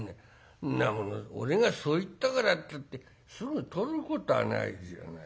「んなもの俺がそう言ったからっつってすぐ取ることはないじゃない」。